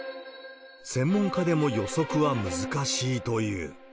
専門家でも予測は難しいという。